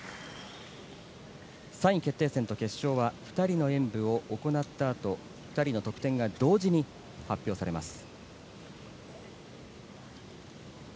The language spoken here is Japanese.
３位決定戦と決勝は２人の演武を行ったあと２人の得点が同時に発表されます。